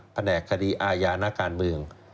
แหนกคดีอาญานักการเมือง